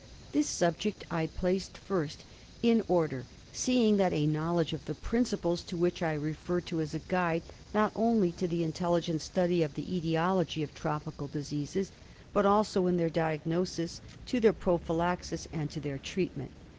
This subject I placed first in order, seeing that a knowledge of the principles to which I refer is a guide, not only to the intelligent study of the etiology of tropical diseases, but also to their diagnosis, to their prophylaxis, and to their treatment.